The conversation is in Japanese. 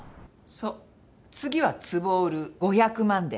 そう次はつぼを売る５００万で。